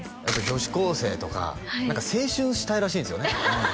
女子高生とか青春したいらしいんですよね